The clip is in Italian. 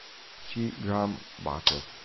C. Graham Baker